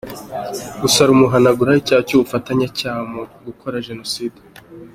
Gusa, rumuhanaguraho icya cy’ubufatanyacyaha mu gukora Jenoside.